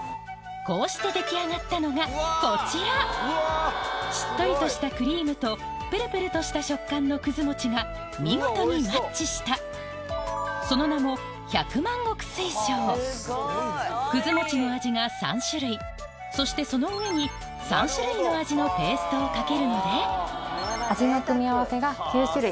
こうして出来上がったのがこちらしっとりとしたクリームとプルプルとした食感のくず餅が見事にマッチしたその名もくず餅の味が３種類そしてその上に３種類の味のペーストをかけるので味の組み合わせが９種類。